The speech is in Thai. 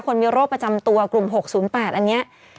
คนมีโรคประจำตัวกลุ่ม๖๐๘อันนี้